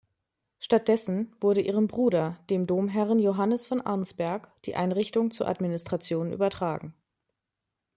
Stattdessen wurde ihrem Bruder, dem Domherren Johannes von Arnsberg, die Einrichtung zur Administration übertragen.